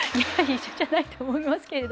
一緒じゃないと思いますけれども。